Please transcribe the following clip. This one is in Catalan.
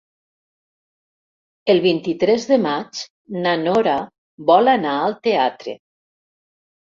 El vint-i-tres de maig na Nora vol anar al teatre.